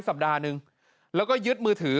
สัปดาห์หนึ่งแล้วก็ยึดมือถือ